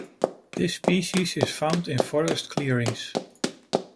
This species is found in forest clearings.